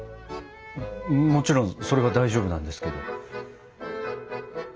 もちろんそれは大丈夫なんですけど。